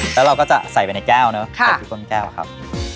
แล้วเราก็จะใส่ไปในแก้วเนอะใส่ที่ต้นแก้วครับ